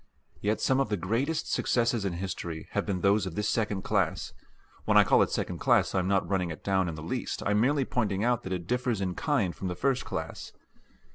Yet some of the greatest successes in history have been those of this second class when I call it second class I am not running it down in the least, I am merely pointing out that it differs in kind from the first class.